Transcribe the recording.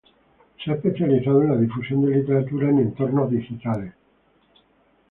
Se ha especializado en la difusión de la literatura en entornos digitales.